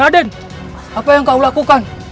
raden apa yang kau lakukan